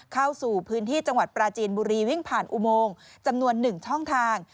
เข้าสู่พื้นที่จังหวัดปราจีนบุรีวิ่งผ่านอุโมงจำนวน๑ช่องทาง